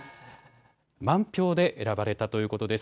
満票で選ばれたということです。